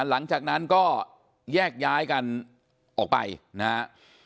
หลังจากนั้นก็แยกย้ายกันออกไปนะฮะ